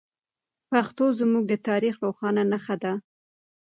پښتو زموږ د تاریخ روښانه نښه ده.